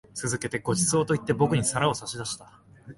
続けて、ご馳走様と言って、僕に皿を差し出した。